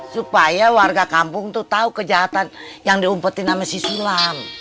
supaya warga kampung tuh tau kejahatan yang diumpetin sama si sula